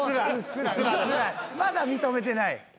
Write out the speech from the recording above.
まだ認めてない。